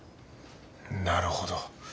なるほど。